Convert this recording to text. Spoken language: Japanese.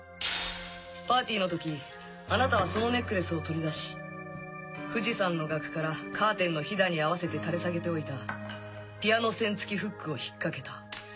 パーティーの時あなたはそのネックレスを取り出し富士山の額からカーテンのヒダに合わせて垂れ下げておいたピアノ線付きフックを引っ掛けた。